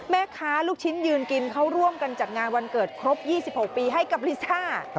แม่ค้าลูกชิ้นยืนกินเขาร่วมกันจัดงานวันเกิดครบ๒๖ปีให้กับลิซ่า